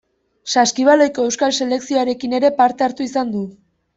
Saskibaloiko euskal selekzioarekin ere parte hartu izan du.